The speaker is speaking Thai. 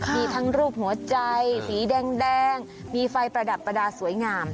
มีทั้งรูปหัวใจสีแดงมีไฟประดับประดาษสวยงาม